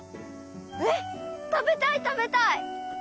えったべたいたべたい！